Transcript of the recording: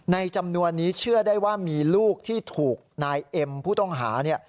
จำนวนนี้เชื่อได้ว่ามีลูกที่ถูกนายเอ็มผู้ต้องหาเนี่ย